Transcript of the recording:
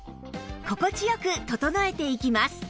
心地良く整えていきます